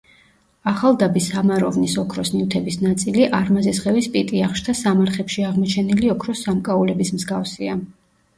ახალდაბის სამაროვნის ოქროს ნივთების ნაწილი არმაზისხევის პიტიახშთა სამარხებში აღმოჩენილი ოქროს სამკაულების მსგავსია.